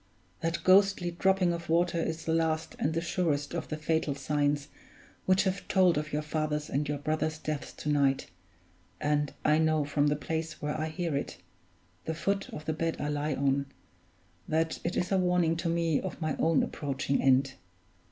That ghostly dropping of water is the last and the surest of the fatal signs which have told of your father's and your brother's deaths to night, and I know from the place where I hear it the foot of the bed I lie on that it is a warning to me of my own approaching end.